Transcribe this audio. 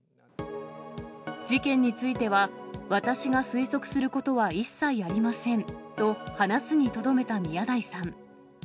事件については、私が推測することは一切ありませんと話すにとどめた宮台さん。